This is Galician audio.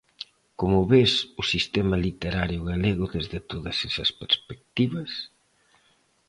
Como ves o sistema literario galego desde todas esas perspectivas?